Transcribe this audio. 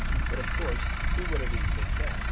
But of course do whatever you think best."